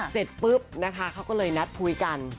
เสร็จปุ๊บนะคะเขาก็เลยนัดคุยกัน